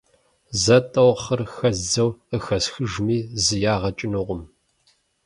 Зэ-тӀэу хъыр хэздзэу къыхэсхыжми зы ягъэ кӀынукъым…